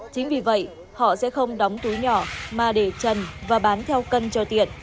chính vì vậy họ sẽ không đóng túi nhỏ mà để trần và bán theo cân cho tiện